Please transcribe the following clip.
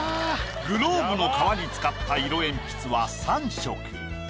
グローブの革に使った色鉛筆は３色。